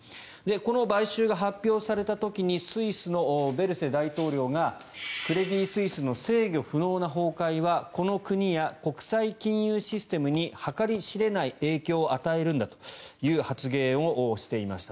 この買収が発表された時にスイスのベルセ大統領がクレディ・スイスの制御不能な崩壊はこの国や国際金融システムに計り知れない影響を与えるんだという発言をしていました。